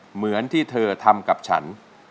เหมือนที่เธอทำกับฉัน